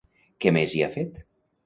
Què més hi ha fet?